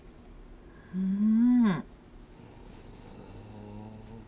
うん。